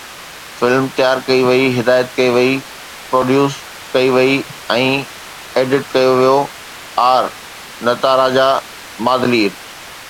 Film تيار ڪئي وئي، هدايت ڪئي وئي، پروڊيوس ڪئي وئي ۽ ايڊٽ ڪيو ويو آر. نتاراجا مادلير